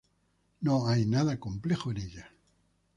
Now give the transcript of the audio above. No hay nada complejo en ella.